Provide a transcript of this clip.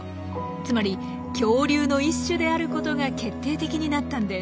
つまり恐竜の一種であることが決定的になったんです。